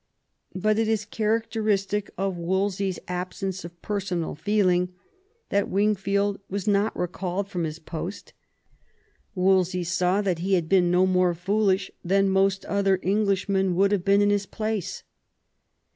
But it is characteristic of Wolsey's absence of personal feeling that Wingfield was not recalled from his post Wolsey saw that he had been no more foolish than most other Englishmen would have been in his place.